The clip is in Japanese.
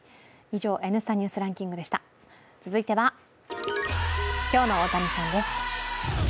続いては今日の大谷さんです。